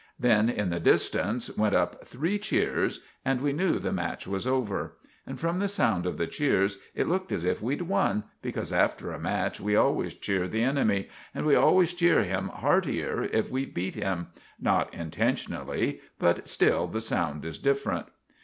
Then in the distance went up three cheers, and we knew the match was over; and, from the sound of the cheers, it looked as if we'd won, because after a match we always cheer the enemy, and we always cheer him heartier if we've beat him—not intentionally, but still the sound is different.